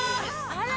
あら！